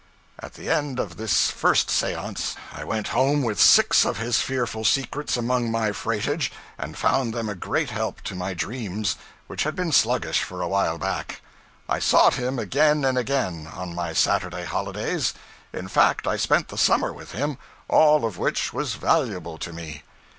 At the end of this first seance I went home with six of his fearful secrets among my freightage, and found them a great help to my dreams, which had been sluggish for a while back. I sought him again and again, on my Saturday holidays; in fact I spent the summer with him all of it which was valuable to me.